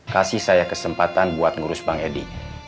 kasih saya kesempatan buat ngurus bang edi